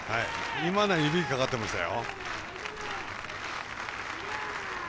今のは指にかかってましたよ。